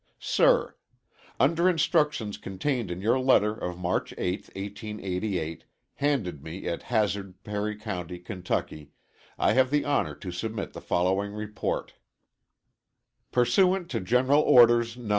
Sir: Under instructions contained in your letter of March 8th, 1888, handed me at Hazard, Perry County, Kentucky, I have the honor to submit the following report: Pursuant to General Orders Nos.